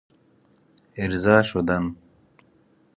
ارضاء شدن